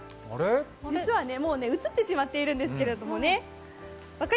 実はね、もう映ってしまっているんですけどね。